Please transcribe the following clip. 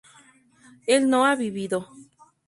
él no ha vivido